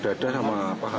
tidak ada sama apa apa